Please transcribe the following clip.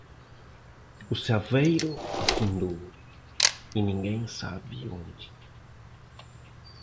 O saveiro afundou é ninguém sabe onde.